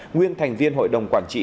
nguyên thành viên hội đồng quản trị